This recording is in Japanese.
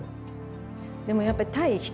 でもやっぱり対「人」？